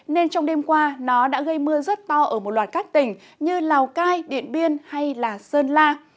nên trong đêm qua nó đã gây mưa rất to ở một loạt các tỉnh như lào cai điện biên hay sơn la